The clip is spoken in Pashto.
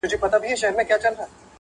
نه یې غوږ وو پر ښکنځلو پر جنګونو!